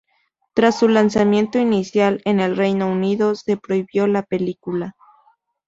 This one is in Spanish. Tras su lanzamiento inicial en el Reino Unido se prohibió la película.